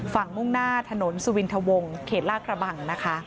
ฝั่งมุ่งหน้าถนนสุวินทะวงเขตลากระบัง